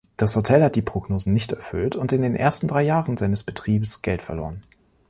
Das Hotel hat die Prognosen nicht erfüllt und in den ersten drei Jahren seines Betriebs Geld verloren.